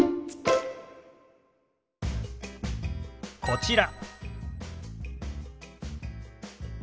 こちら。